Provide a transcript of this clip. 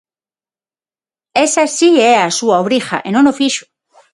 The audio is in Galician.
¡Esa si é a súa obriga e non o fixo!